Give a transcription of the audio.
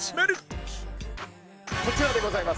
岡部：こちらでございます。